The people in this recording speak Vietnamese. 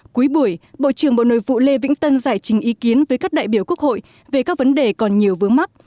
cuối buổi bộ trưởng bộ nội vụ lê vĩnh tân giải trình ý kiến với các đại biểu quốc hội về các vấn đề còn nhiều vướng mắt